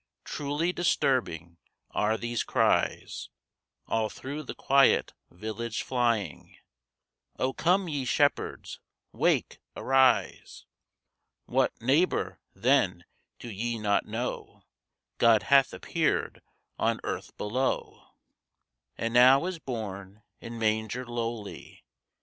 Truly disturbing are these cries, All through the quiet village flying, O come ye shepherds, wake, arise! What, neighbor, then do ye not know God hath appeared on earth below And now is born in manger lowly!